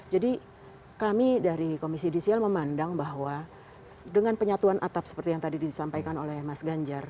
jadi kami dari komisi edisial memandang bahwa dengan penyatuan atap seperti yang tadi disampaikan oleh mas ganjar